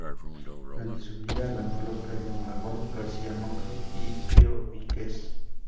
Durante su vida, ganó los premios Magón, García Monge y Pío Víquez.